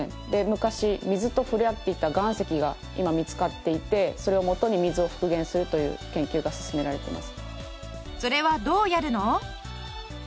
昔水と触れ合っていた岩石が今見つかっていてそれを元に水を復元するという研究が進められてます。